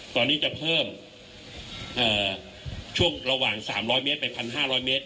ตอนนี้จะเพิ่มเอ่อช่วงระหว่างสามร้อยเมตรไปพันห้าร้อยเมตร